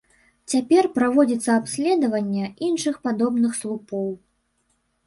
Цяпер праводзіцца абследаванне іншых падобных слупоў.